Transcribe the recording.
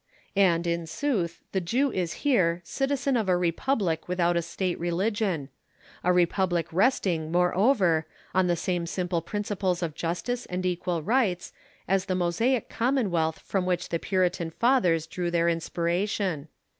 And, in sooth, the Jew is here citizen of a republic without a State religion a republic resting, moreover, on the same simple principles of justice and equal rights as the Mosaic Commonwealth from which the Puritan Fathers drew their inspiration.